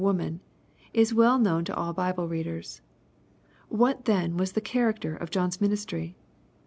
in. 89 woman/' is well known to all Bible readers. What then was the character of John^s ministry